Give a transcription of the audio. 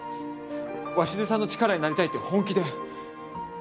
鷲津さんの力になりたいって本気で。